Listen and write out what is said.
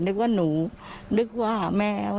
นึกว่าหนูนึกว่าแมว